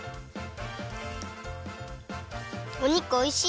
お肉おいしい！